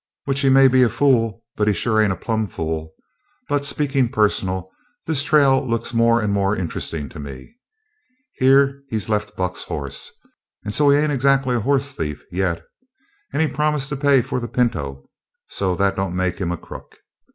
Which he may be a fool, but he sure ain't a plumb fool. But, speakin' personal, this trail looks more and more interestin' to me. Here he's left Buck's hoss, so he ain't exactly a hoss thief yet. And he's promised to pay for the pinto, so that don't make him a crook.